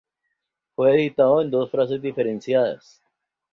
Fue edificado en dos fases diferenciadas.